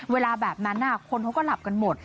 เวลาแบบนั้นคนเขาก็หลับกันหมด